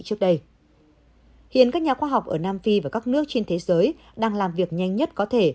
hiện các nhà khoa học ở nam phi và các nước trên thế giới đang làm việc nhanh nhất có thể